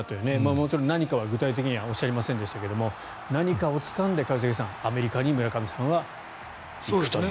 もちろん何かは具体的には教えませんでしたが何かをつかんで一茂さん村上さんはアメリカに行くという。